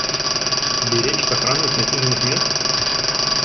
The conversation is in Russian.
Беречь сохранность насиженных мест?